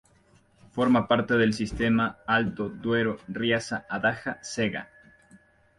Forma parte del sistema "Alto Duero-Riaza-Adaja-Cega".